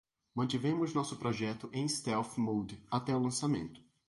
Mantivemos nosso projeto em stealth mode até o lançamento.